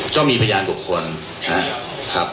ต้องมีพยานบุคคลครับ